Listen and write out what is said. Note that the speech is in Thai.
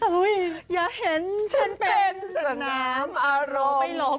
เฮ้ยอย่าเห็นฉันเป็นสนามอารมณ์